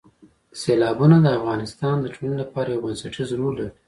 سیلابونه د افغانستان د ټولنې لپاره یو بنسټیز رول لري.